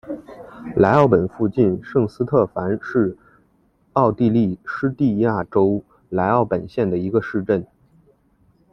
莱奥本附近圣斯特凡是奥地利施蒂利亚州莱奥本县的一个市镇。